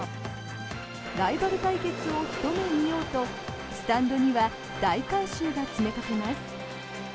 ライバル対決をひと目見ようとスタンドには大観衆が詰めかけます。